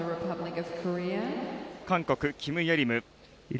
韓国、キム・イェリム。